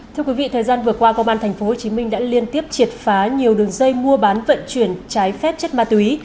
thưa quý vị thời gian vừa qua công an tp hcm đã liên tiếp triệt phá nhiều đường dây mua bán vận chuyển trái phép chất ma túy